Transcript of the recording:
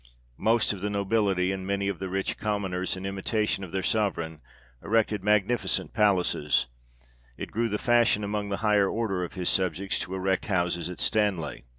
Most of the nobility, and many of the rich commoners, in imitation of their Sovereign, erected magnificent palaces ; it grew the fashion among the higher order of his subjects to erect houses at Stanley.